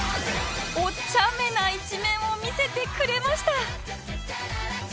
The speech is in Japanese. おちゃめな一面を見せてくれました！